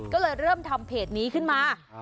ก็เลยเริ่มทำเพจนี้ขึ้นมา